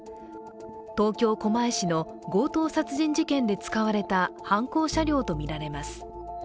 東京・狛江市の強盗殺人事件で使われた犯行車両とみられます。